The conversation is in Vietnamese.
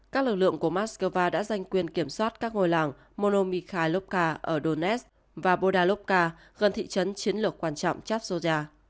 các lực lượng của moscow đã giành quyền kiểm soát các ngôi làng monomykhailovka ở donetsk và podolovka gần thị trấn chiến lược quan trọng chepsova